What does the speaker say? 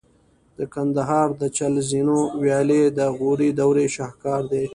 د کندهار د چل زینو ویالې د غوري دورې شاهکار دي